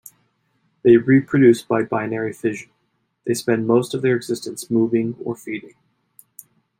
They reproduce by binary fission. They spend most of their existence moving or feeding.